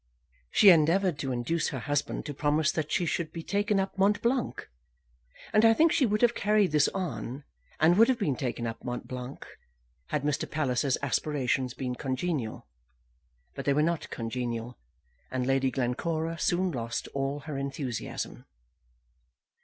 She endeavoured to induce her husband to promise that she should be taken up Mont Blanc. And I think she would have carried this on, and would have been taken up Mont Blanc, had Mr. Palliser's aspirations been congenial. But they were not congenial, and Lady Glencora soon lost all her enthusiasm.